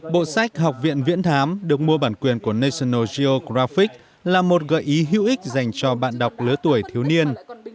bộ sách học viện viễn thám được mua bản quyền của national geographic là một gợi ý hữu ích dành cho bạn đọc lứa tuổi thiếu niên